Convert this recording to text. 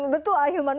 betul ah hilman